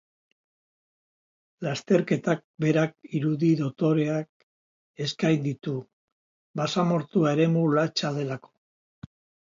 Lasterketak berak irudi dotoreak eskaini ditu, basamortua eremu latza delako.